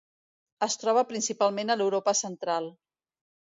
Es troba principalment a l'Europa Central.